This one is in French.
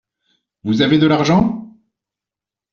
Vous avez de l’argent ?